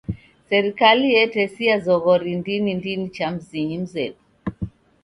Serikali etesia zoghori ndini ndini cha mzinyi mzedu.